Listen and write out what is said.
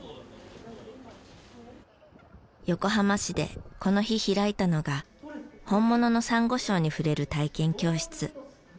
横浜市でこの日開いたのが本物のサンゴ礁に触れる体験教室。